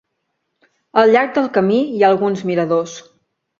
Al llarg del camí, hi ha alguns miradors.